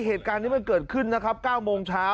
เหตุการณ์นี้มันเกิดขึ้นนะครับ๙โมงเช้า